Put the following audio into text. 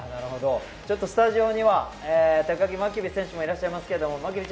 スタジオには高木真備選手もいらっしゃいます。